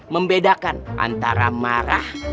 membedakan antara marah